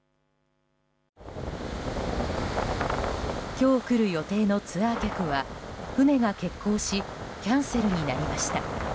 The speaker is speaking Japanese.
今日来る予定のツアー客は船が欠航しキャンセルになりました。